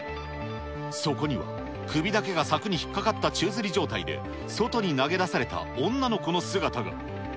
そこには、首だけが柵に引っ掛かった宙づり状態で、外に投げ出された女の子の姿が。